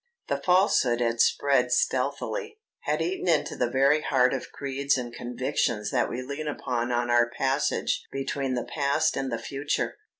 The falsehood had spread stealthily, had eaten into the very heart of creeds and convictions that we lean upon on our passage between the past and the future.